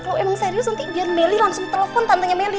kalau emang serius nanti biar meli langsung telepon tantanya meli